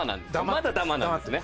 まだだまなんですね。